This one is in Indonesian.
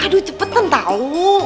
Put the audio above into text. aduh cepetan tau